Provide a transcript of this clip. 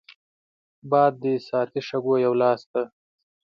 باد د ساعتي شګو یو لاس دی